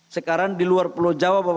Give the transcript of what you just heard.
sekarang di luar pulau jawa bapak